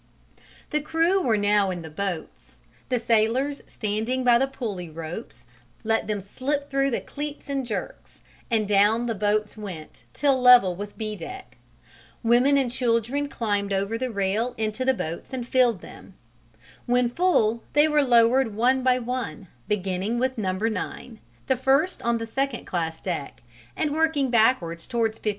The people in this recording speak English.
The crew were now in the boats, the sailors standing by the pulley ropes let them slip through the cleats in jerks, and down the boats went till level with B deck; women and children climbed over the rail into the boats and filled them; when full, they were lowered one by one, beginning with number 9, the first on the second class deck, and working backwards towards 15.